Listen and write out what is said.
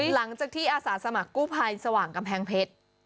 หลังจากที่อาสาสมัครกู้ภัยสว่างกำแพงเพชร